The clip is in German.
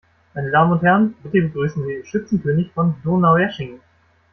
Meine Damen und Herren, bitte begrüßen Sie den Schützenkönig von Donaueschingen!